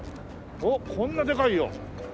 おっこんなでかいよ。